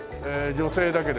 女性だけです。